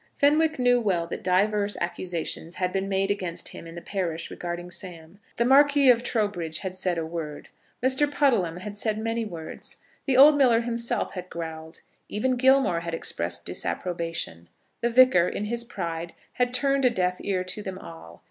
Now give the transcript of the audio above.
Fenwick knew well that diverse accusations had been made against him in the parish regarding Sam. The Marquis of Trowbridge had said a word. Mr. Puddleham had said many words. The old miller himself had growled. Even Gilmore had expressed disapprobation. The Vicar, in his pride, had turned a deaf ear to them all.